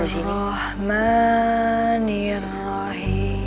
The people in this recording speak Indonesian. sudah berangkat juga